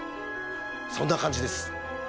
そんな感じです。